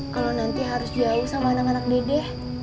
kalau nanti harus jauh sama anak anak dede